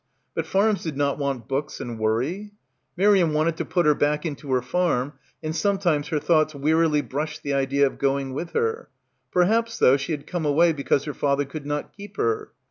But farms did not want books and worry. Miriam wanted to put her back into her farm, and some times her thoughts wearily brushed the idea of going with her. Perhaps, though, she had come away because her father could not keep her?